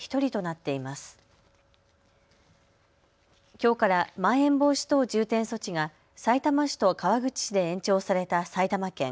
きょうからまん延防止等重点措置がさいたま市と川口市で延長された埼玉県。